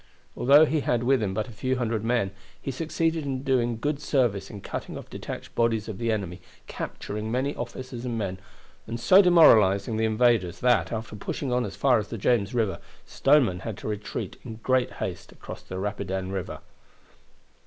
Although he had with him but a few hundred men, he succeeded in doing good service in cutting off detached bodies of the enemy, capturing many officers and men, and so demoralizing the invaders that, after pushing on as far as the James River, Stoneman had to retreat in great haste across the Rapidan River.